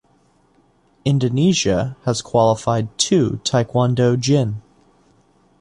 Indonesia has qualified two taekwondo jin.